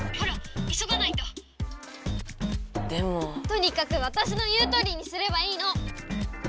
とにかくわたしの言うとおりにすればいいの！